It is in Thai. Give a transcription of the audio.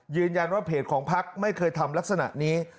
ยืนยันว่าเพจของภักดิ์ไม่เคยทำลักษณะนี้